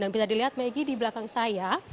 dan bisa dilihat maggie di belakang saya